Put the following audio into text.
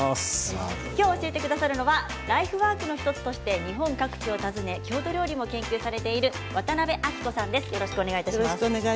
今日、教えてくださるのはライフワークの１つとして日本各地を訪ね郷土料理も研究されている渡辺あきこさんです。